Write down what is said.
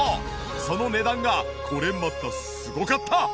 その値段がこれまたすごかった！